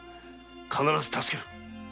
必ず助ける。